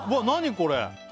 何これ！？